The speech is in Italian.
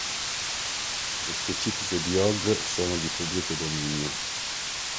Le specifiche di Ogg sono di pubblico dominio.